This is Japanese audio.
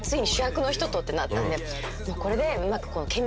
これでうまく。